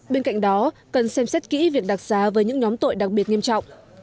bên cạnh đó cần xem xét kỹ việc đặc xá với những nhóm tội đặc biệt nghiêm trọng